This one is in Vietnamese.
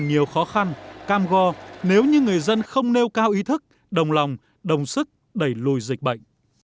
nhiều khó khăn cam go nếu như người dân không nêu cao ý thức đồng lòng đồng sức đẩy lùi dịch bệnh